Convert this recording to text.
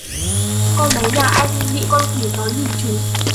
Con bé nhà anh bị con quỷ nó nhìn chúng